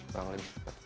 kurang lebih seperti itu